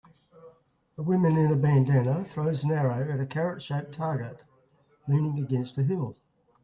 A woman in a bandanna throws an arrow at a carrotshaped target leaning against a hill.